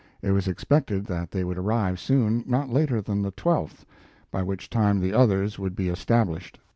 It was expected that they would arrive soon, not later than the 12th, by which time the others would be established.